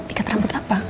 ikat rambut apa